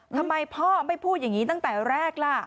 ทำไมพ่อไม่พูดอย่างนี้ตั้งแต่แรกล่ะ